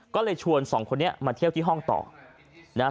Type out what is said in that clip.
ก็เลยชวนสองคนนี้มาเที่ยวที่ห้องต่อนะฮะ